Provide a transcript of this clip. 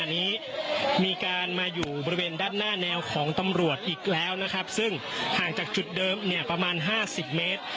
อันนี้มีการมาอยู่บริเวณด้านหน้าแนวของตำรวจอีกแล้วนะครับซึ่งห่างจากจุดเดิมเนี่ยประมาณห้าสิบเมตร